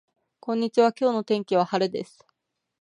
こんにちは今日の天気は晴れです